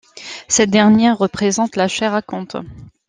Cette dernière représente la chère à Comte.